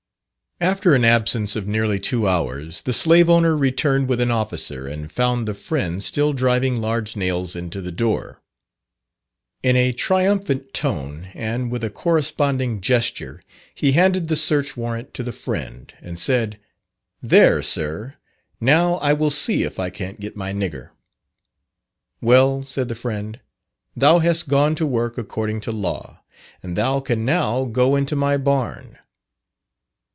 After an absence of nearly two hours, the slave owner returned with an officer and found the Friend still driving large nails into the door. In a triumphant tone, and with a corresponding gesture, he handed the search warrant to the Friend, and said, "There, Sir, now I will see if I can't get my Nigger." "Well," said the Friend, "thou hast gone to work according to law, and thou can now go into my barn."